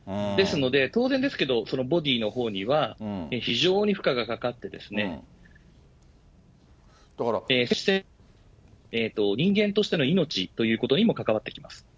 ですので、当然ですけど、それはボディーのほうには、非常に負荷がかかって、人間としての命ということにも関わってきます。